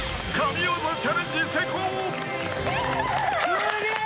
・すげえ！